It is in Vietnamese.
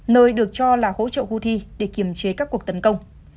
nơi được cho là hỗ trợ houthi để kiềm chế các cuộc tấn công